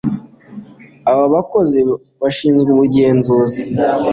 aba bakozi bashinzwe ubugenzuzi